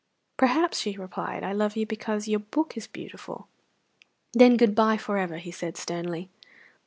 "Perhaps," she replied, "I love you because your book is beautiful." "Then good bye for ever," he said sternly.